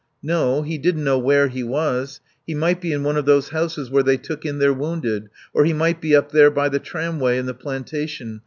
No, he didn't know where he was. He might be in one of those houses where they took in the wounded, or he might be up there by the tramway in the plantation.